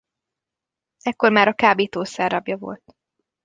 Ekkor már a kábítószer rabja volt.